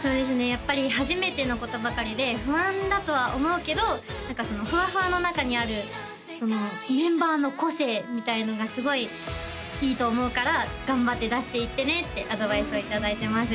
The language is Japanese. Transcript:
やっぱり初めてのことばかりで不安だとは思うけどそのフワフワの中にあるメンバーの個性みたいなのがすごいいいと思うから頑張って出していってねってアドバイスをいただいてます